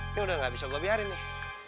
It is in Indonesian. ini udah gak bisa gue biarin nih